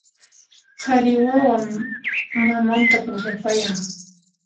Qhari wawa mamanta pukllapayan